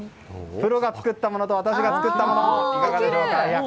プロが作ったものと私が作ったものいかがでしょうか。